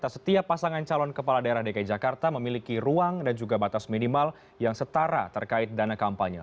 setiap pasangan calon kepala daerah dki jakarta memiliki ruang dan juga batas minimal yang setara terkait dana kampanye